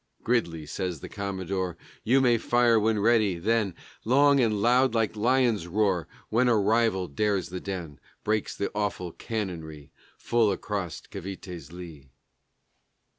"Gridley," says the Commodore, "You may fire when ready." Then Long and loud, like lions' roar When a rival dares the den, Breaks the awful cannonry Full across Cavité's lee.